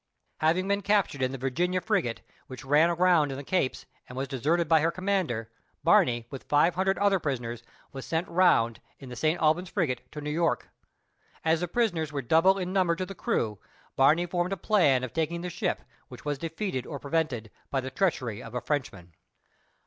Having been captured in the Virginia frigate, which ran aground at the Capes, and was deserted by her commander, Barney, with five hundred other prisoners, was sent round, in the St. Albans frigate, to New York. As the prisoners were double in number to the crew, Barney, formed a plan of taking the ship, which was defeated or prevented by the treachery of a Frenchman.